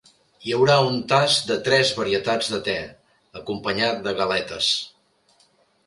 Hi haurà un tast de tres varietats de te, acompanyat de galetes.